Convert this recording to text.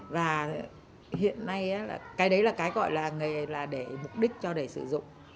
và hiện nay là cái đấy là cái gọi là nghề là để mục đích cho để sử dụng